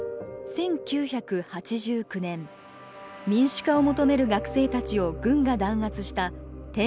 １９８９年民主化を求める学生たちを軍が弾圧した天安門事件。